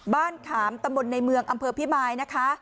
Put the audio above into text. บ้านขามตำบลในเมืองอำเภอพิไปซ์นะคะ